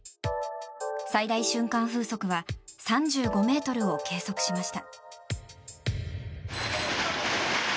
最大瞬間風速は３５メートルを計測しました。